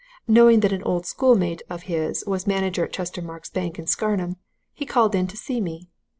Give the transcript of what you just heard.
Knowing that an old schoolmate of his was manager at Chestermarke's Bank in Scarnham, he called in to see me.